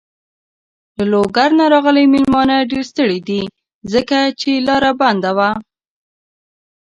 له لوګر نه راغلی مېلمانه ډېر ستړی دی. ځکه چې لاره بنده وه.